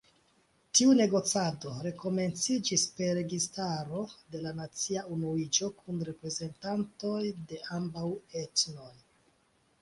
Tiu negocado rekomenciĝis per registaro de la nacia unuiĝo kun reprezentantoj de ambaŭ etnoj.